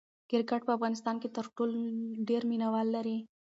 کرکټ په افغانستان کې تر ټولو ډېر مینه وال لري.